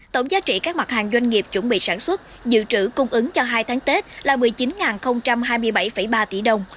tổng giá trị các mặt hàng doanh nghiệp chuẩn bị sản xuất dự trữ cung ứng cho hai tháng tết là một mươi chín hai mươi bảy ba tỷ đồng